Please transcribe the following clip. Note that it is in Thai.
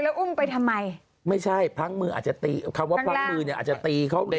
มามันไปทำไมไม่ใช่พึ่งมือจัดการอาชาติ